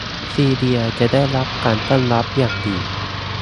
ซีเลียจะได้รับการต้อนรับอย่างดี